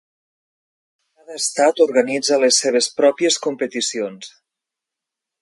Cada Estat organitza les seves pròpies competicions.